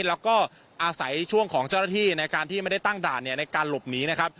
แล้วก็อาศัยช่วงของเจ้าหน้าที่ในการที่ไม่ได้ตั้งด่านในการหลบหนีนะครับ